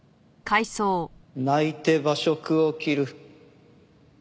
泣いて馬謖を斬る。